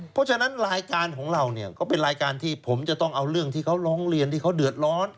เพราะฉะนั้นรายการของเราเนี่ยก็เป็นรายการที่ผมจะต้องเอาเรื่องที่เขาร้องเรียนที่เขาเดือดร้อน